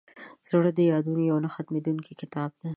زړه د یادونو یو نه ختمېدونکی کتاب دی.